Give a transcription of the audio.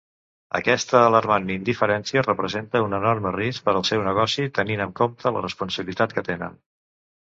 Aquesta alarmant indiferència representa un enorme risc per al seu negoci, tenint en compte la responsabilitat que tenen.